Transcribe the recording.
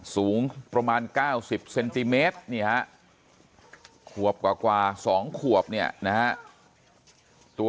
สูงประมาณ๙๐เซนติเมตรหัว๒ขวบเนี่ยนะฮะ